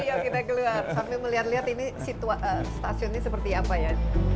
sambil melihat lihat ini stasiunnya seperti apa ya